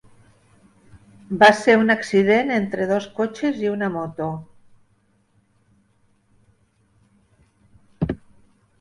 Va ser un accident entre dos cotxes i una moto.